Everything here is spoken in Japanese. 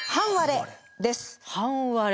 半割れ。